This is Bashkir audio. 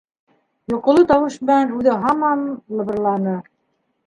Йоҡоло тауыш менән үҙе һаман лыбырланы: